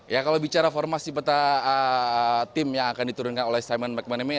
ya kalau bicara formasi peta tim yang akan diturunkan oleh simon mcmanamy